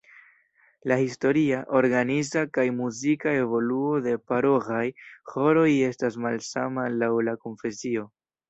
La historia, organiza kaj muzika evoluo de paroĥaj ĥoroj estas malsama laŭ la konfesio.